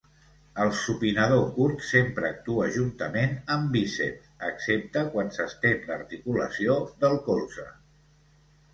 El supinador curt sempre actua juntament amb bíceps, excepte quan s'estén l'articulació del colze.